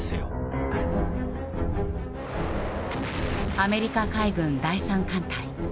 アメリカ海軍第三艦隊。